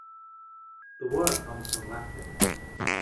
The word comes from Latin.